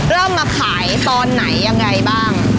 เริ่มมาขายตอนไหนยังไงบ้าง